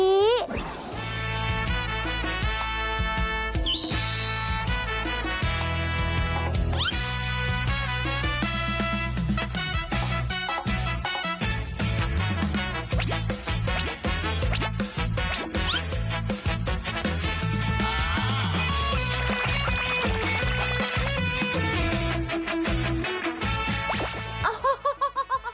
มีอะไรเป็นไหมเป็นอะไรวะ